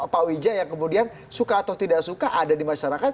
pak wija yang kemudian suka atau tidak suka ada di masyarakat